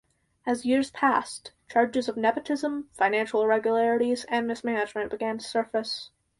As years passed, charges of nepotism, financial irregularities, and mismanagement began to surface.